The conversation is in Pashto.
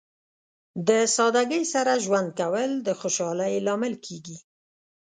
د سادګۍ سره ژوند کول د خوشحالۍ لامل کیږي.